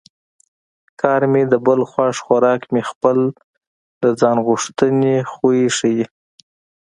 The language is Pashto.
کار مې د بل خوښ خوراک مې خپل د ځان غوښتنې خوی ښيي